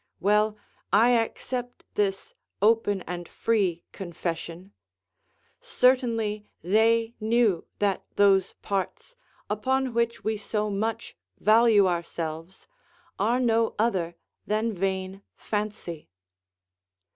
Well, I accept this open and free confession; certainly they knew that those parts, upon which we so much value ourselves, are no other than vain fancy.